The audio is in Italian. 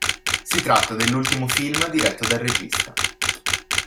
Si tratta dell'ultimo film diretto dal regista.